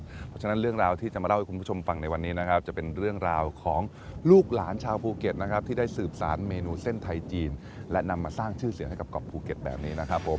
เพราะฉะนั้นเรื่องราวที่จะมาเล่าให้คุณผู้ชมฟังในวันนี้นะครับจะเป็นเรื่องราวของลูกหลานชาวภูเก็ตนะครับที่ได้สืบสารเมนูเส้นไทยจีนและนำมาสร้างชื่อเสียงให้กับเกาะภูเก็ตแบบนี้นะครับผม